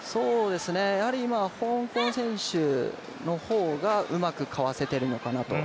今、香港選手の方がうまくかわせてるのかなと。